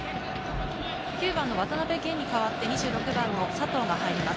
９番・渡辺弦に代わって２６番・佐藤が入ります。